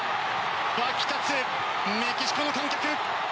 沸き立つメキシコの観客。